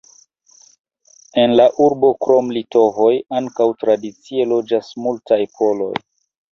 En la urbo krom litovoj ankaŭ tradicie loĝas multaj poloj.